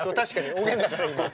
おげんだから今。